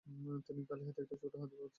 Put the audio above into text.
তিনি খালি হাতে একটি ছোট হাতি হত্যা করেছিলেন।